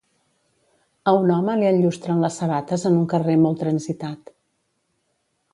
A un home li enllustren les sabates en un carrer molt transitat.